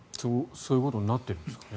そういうことになってるんですかね。